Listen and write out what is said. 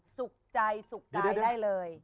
สุขใจสุขกายได้เลย